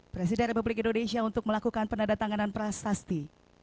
presiden republik indonesia untuk melakukan penandatanganan prasasti